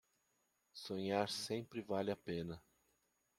Sonhar sempre vale a pena